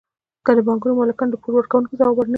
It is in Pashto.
که د بانکونو مالکان د پور ورکوونکو ځواب ورنکړي